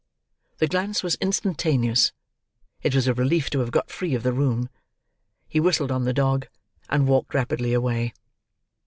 The glance was instantaneous. It was a relief to have got free of the room. He whistled on the dog, and walked rapidly away.